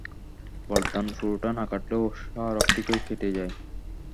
গর্দান পুরোটা না কাটলেও শাহরগ ঠিকই কেটে যায়।